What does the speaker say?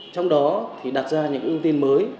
trong đó thì đặt ra những ưu tiên mới